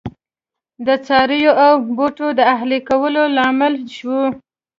د څارویو او بوټو د اهلي کولو لامل شو.